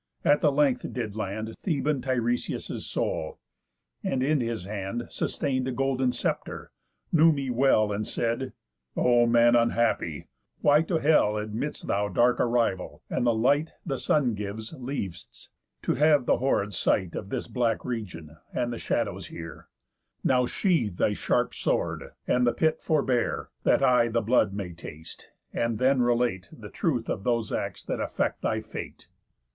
At the length did land Theban Tiresias' soul, and in his hand Sustain'd a golden sceptre, knew me well, And said: 'O man unhappy, why to hell Admitt'st thou dark arrival, and the light The sun gives leav'st, to have the horrid sight Of this black region, and the shadows here? Now sheathe thy sharp sword, and the pit forbear, That I the blood may taste, and then relate The truth of those acts that affect thy fate.